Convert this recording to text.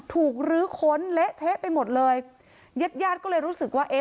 ถูกรื๊อค้นเหละเท๊ะไปหมดเลยเย็ดยาดก็เลยรู้สึกว่าเอ๊ะ